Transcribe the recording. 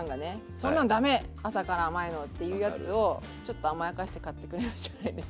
そんなんダメ朝から甘いのっていうやつをちょっと甘やかして買ってくれるんじゃないんですか。